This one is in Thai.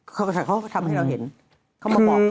เขาก็ทำให้เราเห็น